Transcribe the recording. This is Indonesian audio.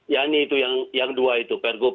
yakni itu yang dua itu pergub